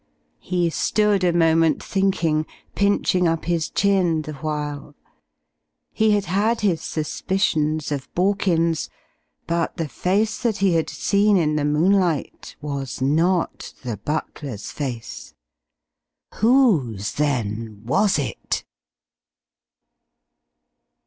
He stood a moment thinking, pinching up his chin the while. He had had his suspicions of Borkins, but the face that he had seen in the moonlight was not the butler's face. _Whose, then, was it?